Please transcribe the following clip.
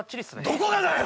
どこがだよ！